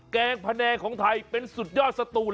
แกงพะแนงของไทยเป็นสุดยอดสตูน